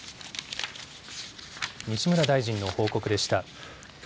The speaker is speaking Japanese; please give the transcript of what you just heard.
西村大臣の報告でした。